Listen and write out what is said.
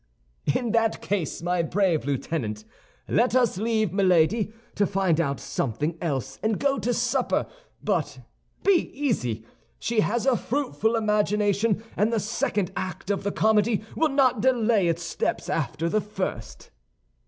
"In that case, my brave lieutenant, let us leave Milady to find out something else, and go to supper; but be easy! She has a fruitful imagination, and the second act of the comedy will not delay its steps after the first."